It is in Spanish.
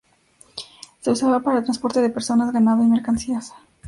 Se usaba para transporte de personas, ganado y mercancías.